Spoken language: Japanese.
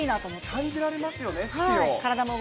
感じられますよね、四季を。